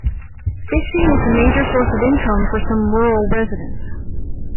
Fishing is a major source of income for some rural residents.